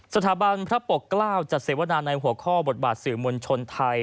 สถาบันพระปกเกล้าจัดเสวนาในหัวข้อบทบาทสื่อมวลชนไทย